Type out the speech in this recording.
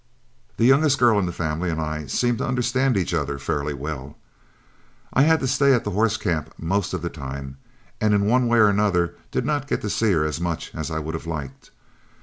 The youngest girl in the family and I seemed to understand each other fairly well. I had to stay at the horse camp most of the time, and in one way and another did not get to see her as much as I would have liked.